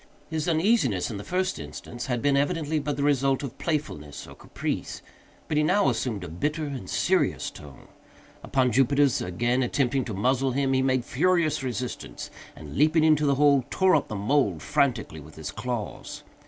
His uneasiness, in the first instance, had been, evidently, but the result of playfulness or caprice, but he now assumed a bitter and serious tone. Upon Jupiter's again attempting to muzzle him, he made furious resistance, and, leaping into the hole, tore up the mould frantically with his claws.